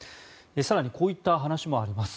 更に、こういった話もあります。